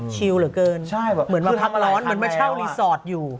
ชิลเหลือเกินเหมือนว่าพักร้อนมาเช่ารีสอร์ตอยู่